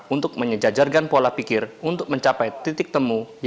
untuk menyejajarkan pola pikir untuk mencapai titik temu